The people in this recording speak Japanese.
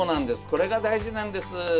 これが大事なんです！